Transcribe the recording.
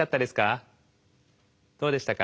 どうでしたか？